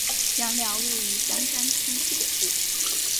杨寮位于香山区西北部。